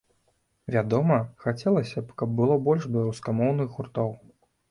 Вядома, хацелася б, каб было больш беларускамоўных гуртоў.